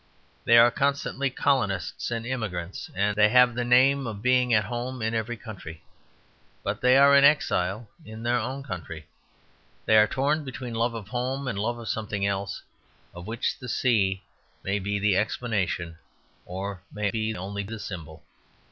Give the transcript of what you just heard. They are constantly colonists and emigrants; they have the name of being at home in every country. But they are in exile in their own country. They are torn between love of home and love of something else; of which the sea may be the explanation or may be only the symbol.